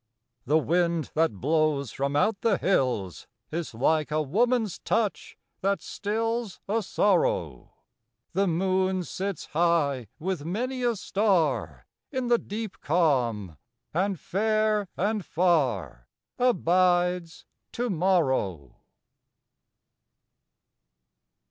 The wind that blows from out the hills Is like a woman's touch that stills A sorrow: The moon sits high with many a star In the deep calm: and fair and far Abides to morrow.